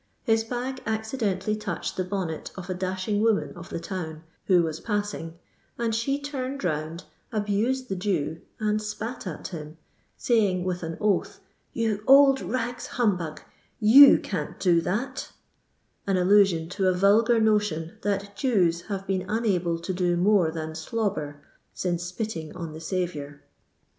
His bag acci dentally touched the bonnet of a dashing woman of the town, who was passing, and she turned round, abused the Jew, and spat at him, saying with an oath :" Tou old rags humbug 1 Jbtt can't do that 1 '*— an allusion to a vulgar notion that Jews have been unable to do more than tlobber, since spitting on the Saviour.